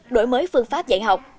đổi mới phương pháp dạy học